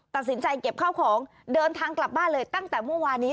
ตัดสินใจเก็บข้าวของเดินทางกลับบ้านเลยตั้งแต่เมื่อวานนี้